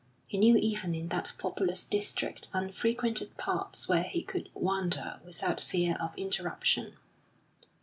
He knew even in that populous district unfrequented parts where he could wander without fear of interruption.